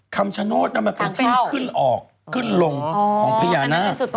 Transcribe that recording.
คำชโนธมันเป็นที่ขึ้นออกขึ้นลงของพญานาค